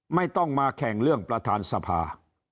ไม่ต้องมาแข่งเรื่องประธานสภา